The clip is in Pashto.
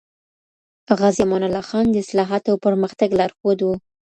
غازي امان الله خان د اصلاحاتو او پرمختګ لارښود وو.